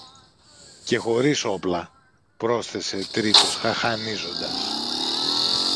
Και χωρίς όπλα, πρόσθεσε τρίτος χαχανίζοντας.